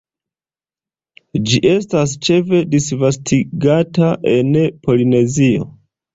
Ĝi estas ĉefe disvastigata en Polinezio.